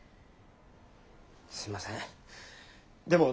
すいませんでも。